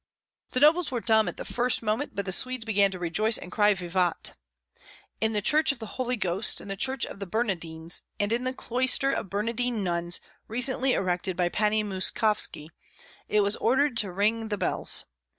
The nobles were dumb at the first moment, but the Swedes began to rejoice and cry "Vivat." In the church of the Holy Ghost, in the church of the Bernardines, and in the cloister of Bernardine nuns, recently erected by Pani Muskovski, it was ordered to ring the bells.